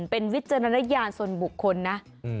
เป็นวิจารณญาณส่วนบุคคลนะ